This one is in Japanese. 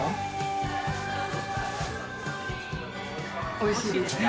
おいしいですか？